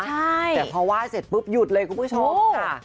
ใช่แต่พอไหว้เสร็จปุ๊บหยุดเลยคุณผู้ชมค่ะ